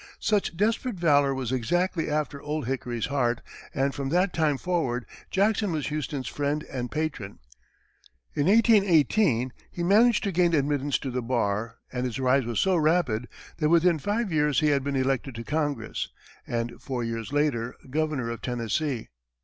Such desperate valor was exactly after "Old Hickory's" heart, and from that time forward, Jackson was Houston's friend and patron. In 1818, he managed to gain admittance to the bar, and his rise was so rapid that within five years he had been elected to Congress, and four years later governor of Tennessee.